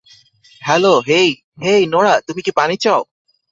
Hello hey, hey Norah, তুমি কি পানি চাও?